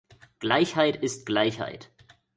Gleichheit ist Gleichheit!